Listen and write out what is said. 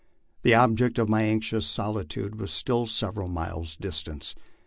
The object of my anxious solicitude was still several miles distant.